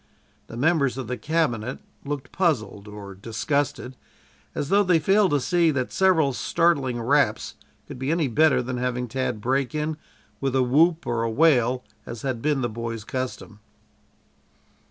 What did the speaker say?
The members of the cabinet looked puzzled or disgusted, as though they failed to see that several startling raps could be any better than having Tad break in with a whoop or a wail, as had been the boy's custom.